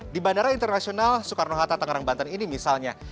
di bandara internasional soekarno hatta tangerang banten ini misalnya